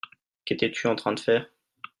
Qu'étais-tu en train de faire ?